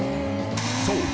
［そう！